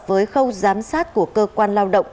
với khâu giám sát của cơ quan lao động